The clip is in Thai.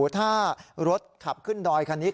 ถ้ารถขับขึ้นดอยคันนี้